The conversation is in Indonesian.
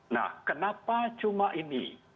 nah kenapa cuma ini